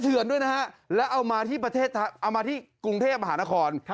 เถื่อนด้วยนะฮะแล้วเอามาที่ประเทศเอามาที่กรุงเทพมหานคร